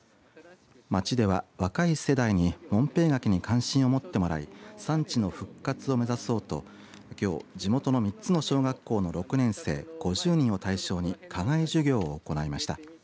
町では若い世代に紋平柿に関心を持ってもらい産地の復活を目指そうときょう地元の３つの小学校の６年生５０人を対象に課外授業を行いました。